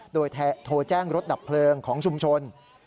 โดยโทรแจ้งรถดับเพลิงของชุมชน